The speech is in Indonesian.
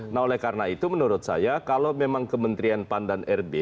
nah oleh karena itu menurut saya kalau memang kementerian pan dan rb